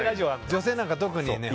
女性なんか特にね。